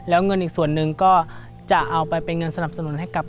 แล้วเงินอีกส่วนหนึ่งก็จะเอาไปเป็นเงินสนับสนุนให้กับ